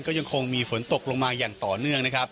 ก็ยังคงมีฝนตกลงมาอย่างต่อเนื่องนะครับ